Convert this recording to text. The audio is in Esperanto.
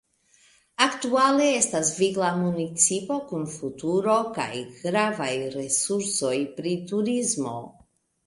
Aktuale estas vigla municipo kun futuro kaj gravaj resursoj pri turismo.